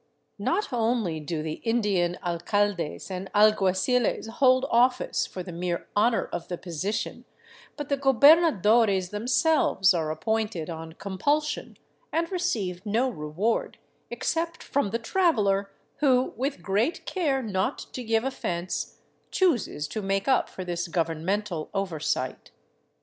Not only do the Indian alcaldes and alguaciles hold office for the mere " honor " of the position, but the gobernadores themselves are appointed on compulsion and receive no reward, except from the traveler who, with great care not to give offense, chooses to make up for this governmental oversight.